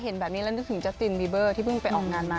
เห็นแบบนี้แล้วนึกถึงจัตตินบีเบอร์ที่เพิ่งไปออกงานมา